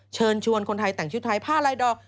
เชิญชวนคนไทยแต่งชุดไทยผ้าลายดอก